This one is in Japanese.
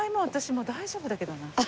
私もう大丈夫だけどな。